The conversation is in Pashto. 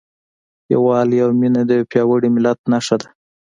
یووالی او مینه د یو پیاوړي ملت نښه ده.